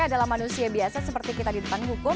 adalah manusia biasa seperti kita di depan hukum